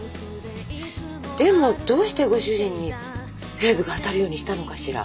でもどうしてご主人にフェーブが当たるようにしたのかしら？